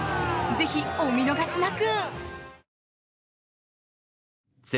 ぜひお見逃しなく！